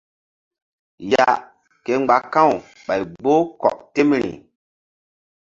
Ya ke mgba ka̧w ɓay gboh kɔk temri.